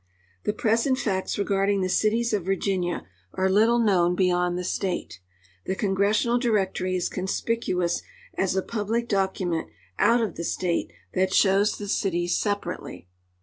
The ])resent fiicts regarding the cities of Virginia are little known beyond the state. The Congressional Directory is con spicuous as a public document out of the state that shows the cities separately.